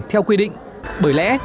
theo quy định bởi lẽ